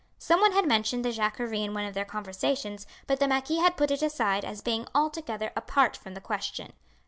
Some one had mentioned the Jacquerie in one of their conversations, but the marquis had put it aside as being altogether apart from the question.